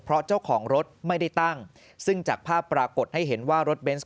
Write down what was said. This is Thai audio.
เพราะเจ้าของรถไม่ได้ตั้งซึ่งจากภาพปรากฏให้เห็นว่ารถเบนส์